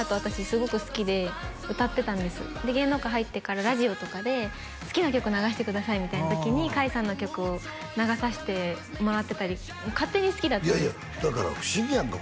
すごく好きで歌ってたんですで芸能界入ってからラジオとかで好きな曲流してくださいみたいな時に甲斐さんの曲を流さしてもらってたり勝手に好きだったんですいやいやだから不思議やんか